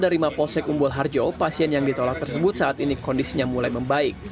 dari mapolsek umbul harjo pasien yang ditolak tersebut saat ini kondisinya mulai membaik